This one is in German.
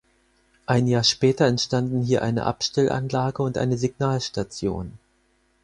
Ein Jahr später entstanden hier eine Abstellanlage und eine Signalstation.